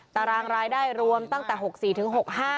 ตารางรายได้รวมตั้งแต่๖๔ถึง๖๕